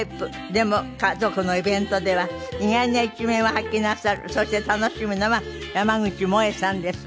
でも家族のイベントでは意外な一面を発揮なさるそして楽しむのは山口もえさんです。